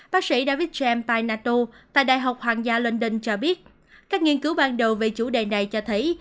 bác sĩ david james paynato tại đại học hoàng gia london cho biết các nghiên cứu ban đầu về chủ đề này cho thấy